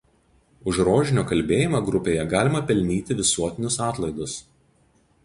Už Rožinio kalbėjimą grupėje galima pelnyti visuotinius atlaidus.